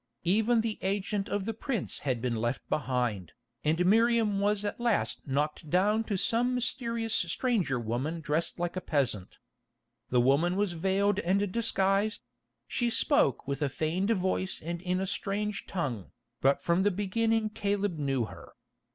Even the agent of the prince had been left behind, and Miriam was at last knocked down to some mysterious stranger woman dressed like a peasant. The woman was veiled and disguised; she spoke with a feigned voice and in a strange tongue, but from the beginning Caleb knew her.